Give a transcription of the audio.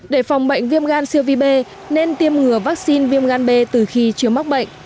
để phòng bệnh viêm gan siêu vi b nên tiêm ngừa vaccine viêm gan b từ khi chưa mắc bệnh